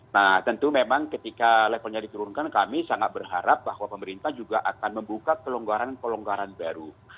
nah tentu memang ketika levelnya diturunkan kami sangat berharap bahwa pemerintah juga akan membuka kelonggaran pelonggaran baru